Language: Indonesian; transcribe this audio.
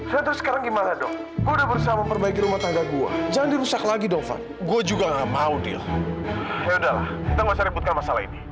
yaudah lah kita gak usah ributkan masalah ini